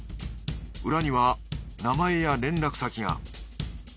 裏には名前や連絡先が。